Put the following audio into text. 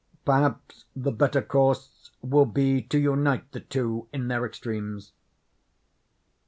Perhaps the better course will be to unite the two in their extremes.